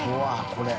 これ。